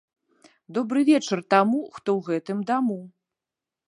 Добры вечар таму, хто ў гэтым даму!